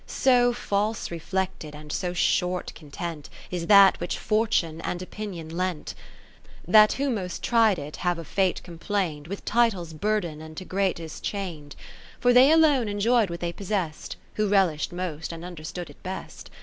So false reflected and so short content Is that which Fortune and Opinion lent, 20 That who most tried it have of Fate complain'd, With titles burthen'd and to great ness chain'd. For they alone enjoy'd what they possest, Who relish'd most and understood it best.